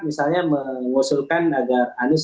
misalnya mengusulkan agar anies